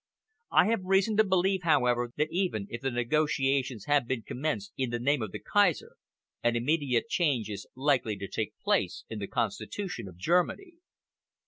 I have reason to believe, however, that even if the negotiations have been commenced in the name of the Kaiser, an immediate change is likely to take place in the constitution of Germany."